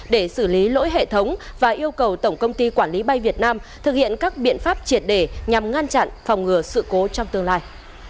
để xử lý lỗi hệ thống và yêu cầu tổng công ty quản lý bay việt nam thực hiện các biện pháp triệt để nhằm ngăn chặn phòng ngừa sự cố trong tương lai